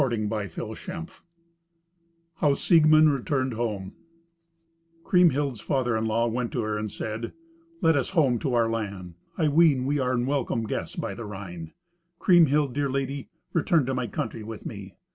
Eighteenth Adventure How Siegmund Returned Home Kriemhild's father in law went to her and said, "Let us home to our land. I ween we are unwelcome guests by the Rhine. Kriemhild, dear lady, return to my country with me.